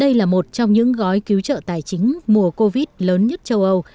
đây là một trong những gói cứu để hỗ trợ tài chính mùa covid lớn nhất châu âu